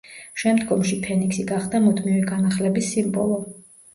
შემდგომში ფენიქსი გახდა მუდმივი განახლების სიმბოლო.